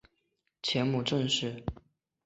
前母郑氏。